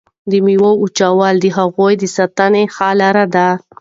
د میوو وچول د هغوی د ساتنې ښه لاره ده.